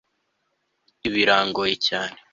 Ibi birangoye cyane